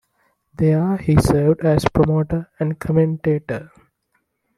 There he served as promoter and commentator.